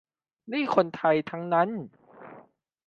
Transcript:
นี่คนไทยทั้งนั้น